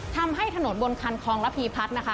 ทำให้ถนนบนคันคลองระพีพัฒน์นะคะ